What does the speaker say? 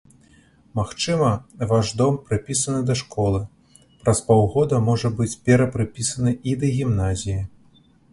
Магчыма, ваш дом, прыпісаны да школы, праз паўгода можа быць перапрыпісаны і да гімназіі.